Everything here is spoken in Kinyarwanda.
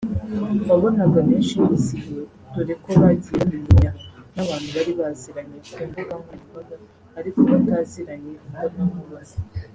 wabonaga benshi bizihiwe dore ko bagiye bamenyenya n’abantu bari baziranye ku mbuga nkoranyamabaga ariko bataziranye imbona nkubone